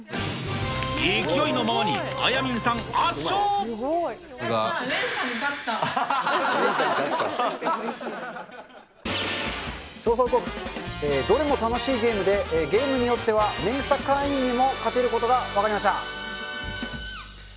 勢いのままに、あやみんさんやったー、調査報告、どれも楽しいゲームで、ゲームによってはメンサ会員にも勝てることが分かりました。